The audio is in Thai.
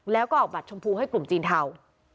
แล้วก็ออกบัตรชมพูให้กลุ่มจีนเทา